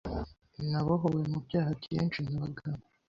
Nabohowe mubyaha byinshi nabagamo